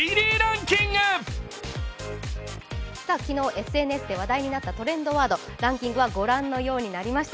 昨日、ＳＮＳで話題になったトレンドワード、ランキングはご覧のようになりました。